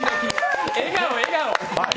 笑顔、笑顔。